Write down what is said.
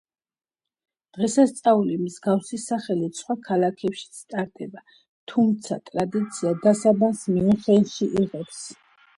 დღესასწაული მსგავსი სახელით სხვა ქალაქებშიც ტარდება, თუმცა ტრადიცია დასაბამს მიუნხენში იღებს.